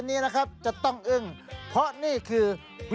สีสันข่าวชาวไทยรัฐมาแล้วครับ